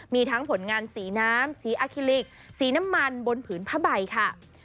มีทั้งผลงานสีน้ำสีอาคิลิกสีน้ำมันบนผืนผ้าใบค่ะ